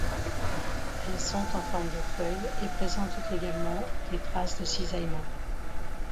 Elles sont en forme de feuille et présentent également des traces de cisaillements.